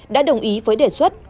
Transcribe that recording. đã đồng ý với đề xuất